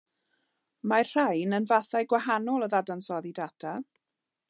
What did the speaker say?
Mae'r rhain yn fathau gwahanol o ddadansoddi data.